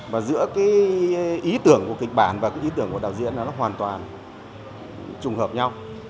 và giữa cái ý tưởng của kịch bản và cái ý tưởng của đạo diễn là nó hoàn toàn trùng hợp nhau